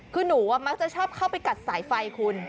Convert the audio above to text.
คือหนูมักจะชอบเข้าไปกัดสายไฟคุณ